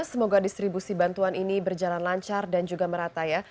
semoga distribusi bantuan ini berjalan lancar dan juga merata ya